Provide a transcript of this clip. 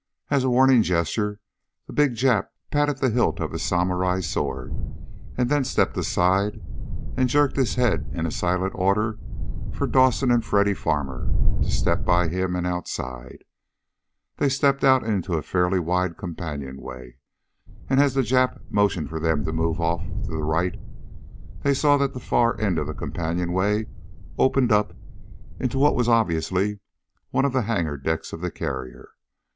As a warning gesture the big Jap patted the hilt of his samurai sword, and then stepped aside and jerked his head in a silent order for Dawson and Freddy Farmer to step by him and outside. They stepped out into a fairly wide companionway, and as the Jap motioned for them to move off to the right, they saw that the far end of the companionway opened up into what was obviously one of the hangar decks of the carrier.